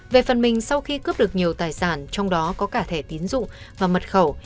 về phần mình sau khi cướp được nhiều tài sản trong đó có cả thẻ tín dụng và mật khẩu